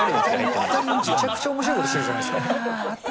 めちゃくちゃおもしろいことしてるじゃないですか。